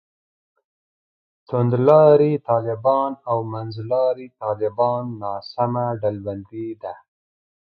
توندلاري طالبان او منځلاري طالبان ناسمه ډلبندي ده.